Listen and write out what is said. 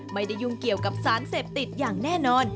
ไม่ได้ยุ่งเกี่ยวกับสารเสพติดอย่างแน่นอน